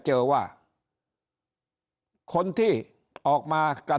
ถ้าท่านผู้ชมติดตามข่าวสาร